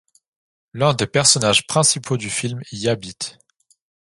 L'un des personnages principaux du film y habite.